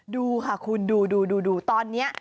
ดูค่ะคุณดูตอนนี้